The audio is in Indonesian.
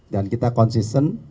dan kita konsisten